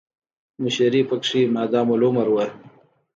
مشري پکې مادام العمر وه.